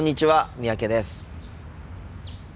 三宅です。